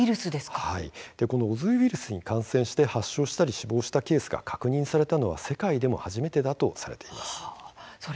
このオズウイルスに感染して発症して、死亡したケースが確認されたのは世界でも初めてです。